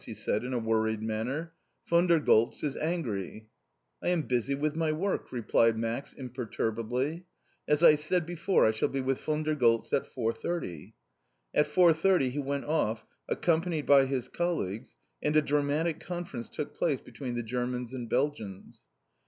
he said in a worried manner. "Von der Goltz is angry!" "I am busy with my work!" replied Max imperturbably. "As I said before, I shall be with Von der Goltz at four thirty." At four thirty he went off, accompanied by his colleagues, and a dramatic conference took place between the Germans and Belgians.